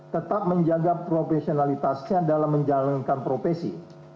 tetap menjaga profesionalitasnya dalam menjalankan profesi